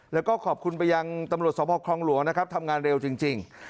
แล้วก็ขอบคุณไปยังตำรวจสพคลองหลวงนะครับทำงานเร็วจริง